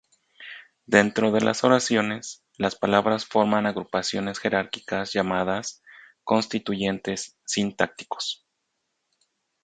Dentro de las oraciones, las palabras forman agrupaciones jerárquicas llamadas constituyentes sintácticos.